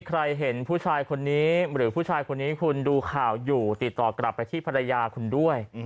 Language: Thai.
ใครเห็นผู้ชายคนนี้หรือผู้ชายคนนี้คุณดูข่าวอยู่ติดต่อกลับไปที่ภรรยาคุณด้วย